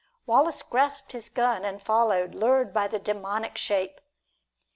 Wallace grasped his gun and followed, lured by the demoniac shape.